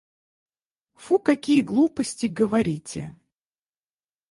Фу какие глупости говорите.